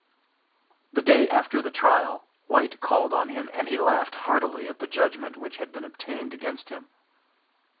The day after the trial White called on him and he laughed heartily at the judgment which had been obtained against him.